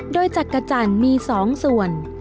โดยจักรจันทร์มี๒ส่วน